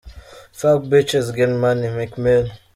Fuck Bitches get money – Meek Mill.